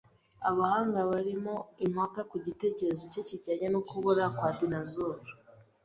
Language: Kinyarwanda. Abahanga barimo impaka ku gitekerezo cye kijyanye no kubura kwa dinosaur.